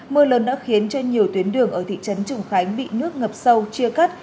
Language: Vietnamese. mưa lớn đã khiến cho nhiều tuyến đường ở thị trấn trùng khánh bị nước ngập sâu chia cắt